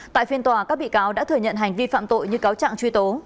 tại phiên tòa các bị cáo đã thừa nhận hành vi phạm tội như cáo trạng truy tố